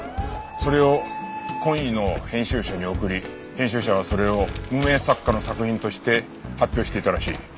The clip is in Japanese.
それを懇意の編集者に送り編集者はそれを無名作家の作品として発表していたらしい。